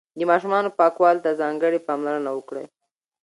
د ماشومانو پاکوالي ته ځانګړې پاملرنه وکړئ.